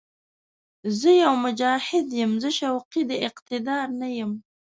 زه يو «مجاهد» یم، زه شوقي د اقتدار نه یم